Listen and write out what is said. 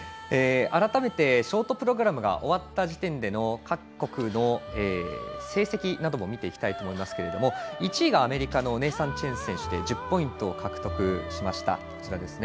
改めてショートプログラムが終わった時点での各国の成績なども見ていきたいと思いますけども１位がアメリカネイサン・チェン選手で１０ポイント獲得しました。